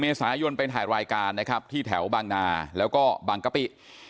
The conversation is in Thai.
เมษายนไปถ่ายรายการนะครับที่แถวบางนาแล้วก็บางกะปิ